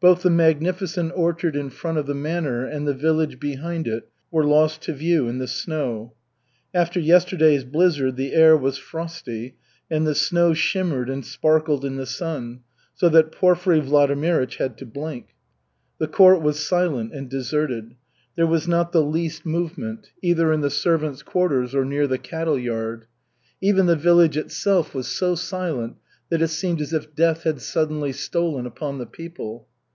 Both the magnificent orchard in front of the manor and the village behind it were lost to view in the snow. After yesterday's blizzard the air was frosty, and the snow shimmered and sparkled in the sun, so that Porfiry Vladimirych had to blink. The court was silent and deserted. There was not the least movement, either in the servants' quarters or near the cattle yard. Even the village itself was so silent that it seemed as if death had suddenly stolen upon the people.